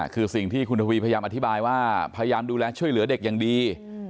คือสิ่งที่คุณทวีพยายามอธิบายว่าพยายามดูแลช่วยเหลือเด็กอย่างดี